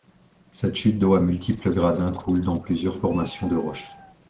Cette chute d'eau à multiples gradins coule dans plusieurs formations de roche.